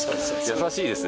優しい。